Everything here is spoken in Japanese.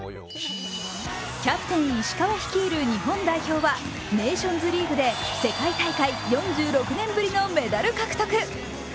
キャプテン・石川率いる日本代表はネーションズリーグで世界大会４６年ぶりのメダル獲得。